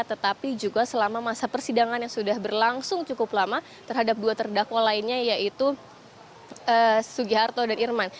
tetapi juga selama masa persidangan yang sudah berlangsung cukup lama terhadap dua terdakwa lainnya yaitu sugiharto dan irman